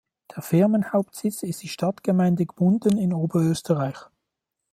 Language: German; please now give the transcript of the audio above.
Der Firmenhauptsitz ist die Stadtgemeinde Gmunden in Oberösterreich.